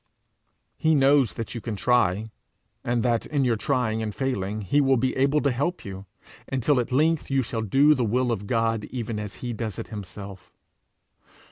He knows that you can try, and that in your trying and failing he will be able to help you, until at length you shall do the will of God even as he does it himself.